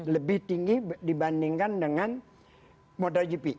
lebih tinggi dibandingkan dengan motogp